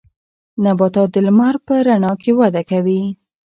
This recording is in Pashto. نباتات د لمر په رڼا کې وده کوي.